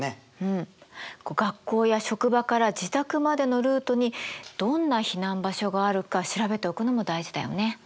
うん学校や職場から自宅までのルートにどんな避難場所があるか調べておくのも大事だよね。